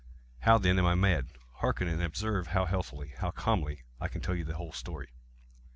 How, then, am I mad? Hearken! and observe how healthily—how calmly I can tell you the whole story.